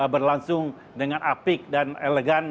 berlangsung dengan apik dan elegan